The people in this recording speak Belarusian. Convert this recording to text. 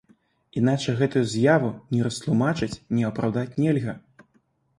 Іначай гэтую з'яву ні растлумачыць, ні апраўдаць нельга.